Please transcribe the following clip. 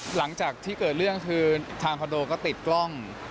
หลังจากที่เกิดเรื่องคือทางคอนโดก็ติดกล้อง